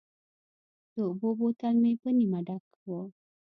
د اوبو بوتل مې په نیمه ډک و.